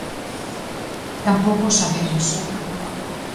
Tampouco o sabemos.